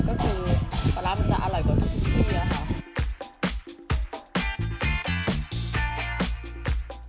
ก็คือปลาร้ามันจะอร่อยกว่าทุกที่อะค่ะ